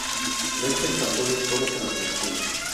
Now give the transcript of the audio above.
Michael cantó los coros en la canción.